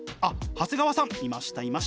長谷川さんいましたいました。